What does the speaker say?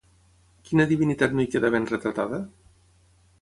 Quina divinitat no hi queda ben retratada?